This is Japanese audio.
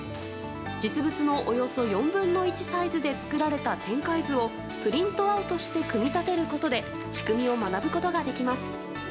実物のおよそ４分の１サイズで作られた展開図をプリントアウトして組み立てることで仕組みを学ぶことができます。